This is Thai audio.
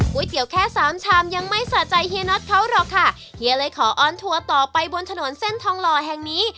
เตี๋ยวแค่สามชามยังไม่สะใจเฮียน็อตเขาหรอกค่ะเฮียเลยขอออนทัวร์ต่อไปบนถนนเส้นทองหล่อแห่งนี้